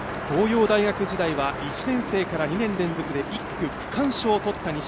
東洋大学時代は１年生から２年連続で１区区間賞を取った